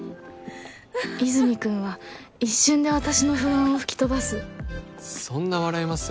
和泉君は一瞬で私の不安を吹き飛ばすそんな笑います？